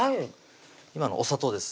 今のお砂糖です